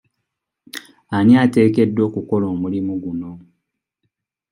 Ani ateekeddwa okukola omulimu guno?